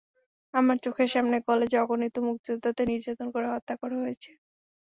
আমার চোখের সামনে কলেজে অগণিত মুক্তিযোদ্ধাদের নির্যাতন করে হত্যা করা হয়েছে।